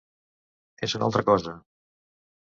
És una altra cosa!!!